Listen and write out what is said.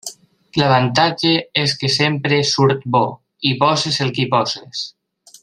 L'avantatge és que sempre surt bo, hi posis el que hi posis.